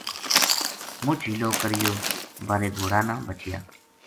مُچ حیلو کریوبارے گھوڑا نہ بچیا